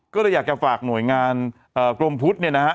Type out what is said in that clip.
ก็เลยอยากจะฝากหน่วยงานกรมพุทธเนี่ยนะฮะ